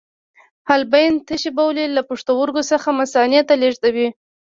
حالبین تشې بولې له پښتورګو څخه مثانې ته لیږدوي.